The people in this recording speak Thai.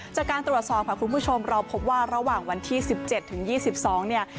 จากการตรวจสอบค่ะคุณผู้ชมเราพบว่าระหว่างวันที่๑๗ถึง๒๒เนี่ย